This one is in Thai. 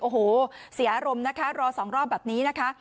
โอ้โหเสียอารมณ์นะคะรอสองรอบแบบนี้นะคะ